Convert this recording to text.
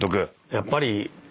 やっぱり。